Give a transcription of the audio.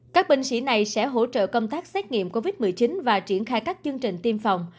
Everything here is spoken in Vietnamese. các binh sĩ này sẽ hỗ trợ công tác xét nghiệm covid một mươi chín và triển khai các chương trình tiêm phòng